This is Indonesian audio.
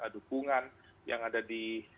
dukungan yang ada di